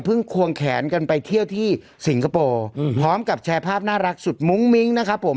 ควงแขนกันไปเที่ยวที่สิงคโปร์พร้อมกับแชร์ภาพน่ารักสุดมุ้งมิ้งนะครับผม